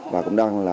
và cũng đang là